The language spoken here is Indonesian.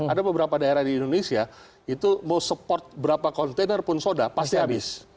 ada beberapa daerah di indonesia itu mau support berapa kontainer pun soda pasti habis